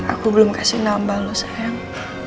aku belum kasih nama lo sayang